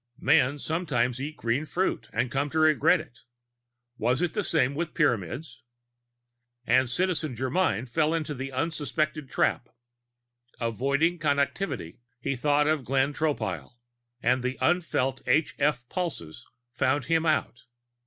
Men sometimes eat green fruit and come to regret it. Was it the same with Pyramids? And Citizen Germyn fell into the unsuspected trap. Avoiding Connectivity, he thought of Glenn Tropile and the unfelt h f pulses found him out.